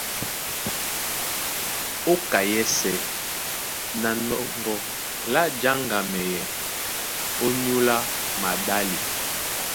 Ó ka yɛ́sɛ̄ na nɔŋgɔ lá jáŋgamɛyɛ ónyólá maɗále,